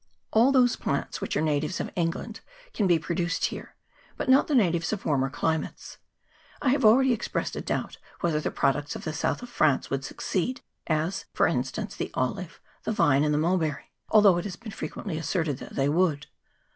All those plants which are natives of England can be produced here, but not the natives of warmer climates. I have already expressed a doubt whether the products of the south of France would succeed, as, for instance, the olive, the vine, and the mulberry, although it has been frequently asserted that they would.